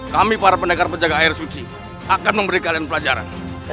kami para pendekar penjaga air suci akan memberikan pelajaran